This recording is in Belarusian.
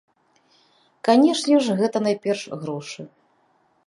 Канешне ж гэта, найперш, грошы.